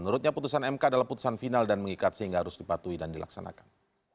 menurutnya putusan mk adalah putusan final dan mengikat sehingga harus dipatuhi dan dilaksanakan